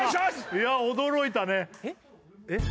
いや驚いたねえっ？